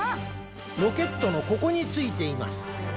ロケットのここについています。